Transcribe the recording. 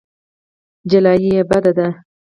جلايي بد دی.